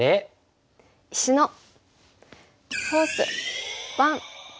「石のフォース１」。